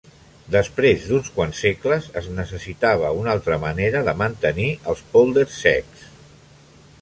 Després d'uns quants segles, es necessitava una altra manera de mantenir els pòlders secs.